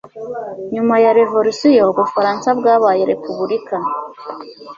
Nyuma ya revolisiyo, Ubufaransa bwabaye repubulika.